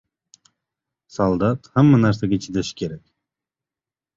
— Soldat hamma narsaga chidashi kerak.